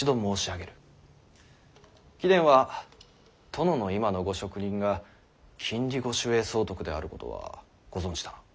貴殿は殿の今のご職任が禁裏御守衛総督であることはご存じだな。